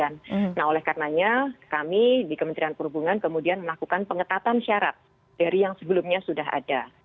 nah oleh karenanya kami di kementerian perhubungan kemudian melakukan pengetatan syarat dari yang sebelumnya sudah ada